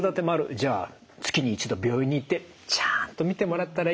じゃあ月に１度病院に行ってちゃんと診てもらったらいいじゃないか。